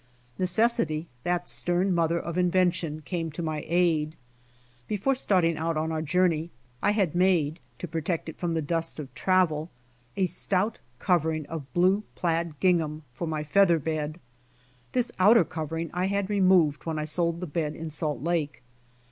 Necessity, that stern mother of invention, came to ray aid. Before starting on our journey, I had made, to protect it from the dust of travel, a stout covering of blue plaid gingham for my feather bed. This outer covering I had removed when I sold the bed in Salt Lake.